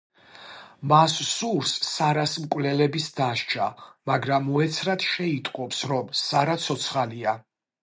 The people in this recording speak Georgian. მას სურს სარას მკვლელების დასჯა, მაგრამ უეცრად შეიტყობს, რომ სარა ცოცხალია.